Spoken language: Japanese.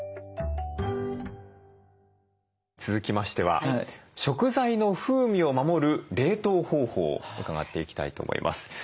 続きましては食材の風味を守る冷凍方法伺っていきたいと思います。